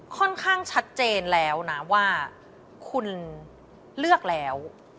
ค่อนข้างชัดเจนแล้วนะว่าคุณเลือกแล้ว